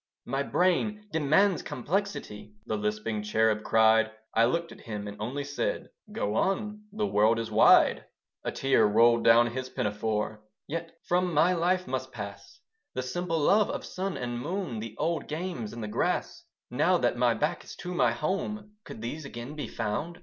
"My brain demands complexity." The lisping cherub cried. I looked at him, and only said, "Go on. The world is wide." A tear rolled down his pinafore, "Yet from my life must pass The simple love of sun and moon, The old games in the grass; "Now that my back is to my home Could these again be found?"